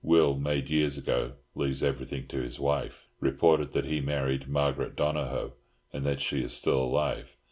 Will made years ago leaves everything to his wife. Reported that he married Margaret Donohoe, and that she is still alive.